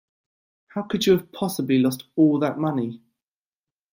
How could you have possibly lost all that money?